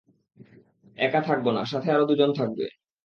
একা থাকব না, সাথে আরো দুজন থাকবে।